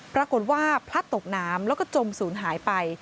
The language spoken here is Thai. ปรากฏว่าพลัดตกน้ำแล้วก็จมศูนย์หายไป